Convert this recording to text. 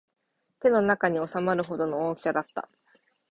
手の中に収まるほどの大きさだった